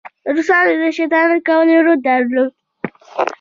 روسانو د شیطانت کولو رول درلود.